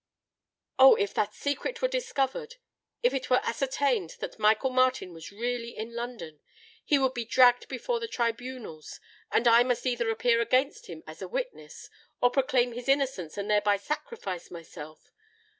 Oh! if that secret were discovered—if it were ascertained that Michael Martin was really in London,—he would be dragged before the tribunals—and I must either appear against him as a witness, or proclaim his innocence and thereby sacrifice myself!